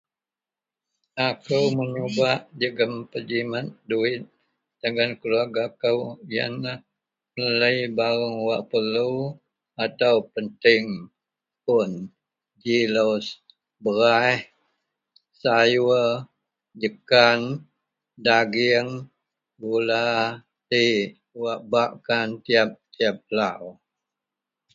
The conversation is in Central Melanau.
Akou menyubak jegem bejimet duwit dagen keluwerga kou yenlah melei bareng wak perelu atau penting un ji lou beraih, sayuor, jekan, dagieng, gula, ji wak bak kan tiyap-tiyap lau.